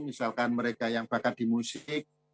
misalkan mereka yang bakat di musik